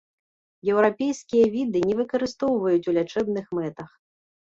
Еўрапейскія віды не выкарыстоўваюць у лячэбных мэтах.